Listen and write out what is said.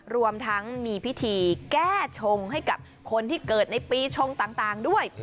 รวมทั้งมีพิธีแก้ชงให้กับคนที่เกิดในปีชงต่างด้วย